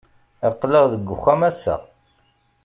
Aql-aɣ deg uxxam ass-a.